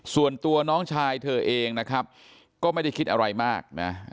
ส่วนตัวน้องชายเธอเองนะครับก็ไม่ได้คิดอะไรมากนะ